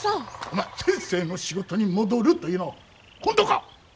お前先生の仕事に戻るというのは本当か？